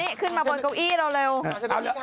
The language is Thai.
นั่งฉันอยู่ตรงนี้สวายใจแล้ว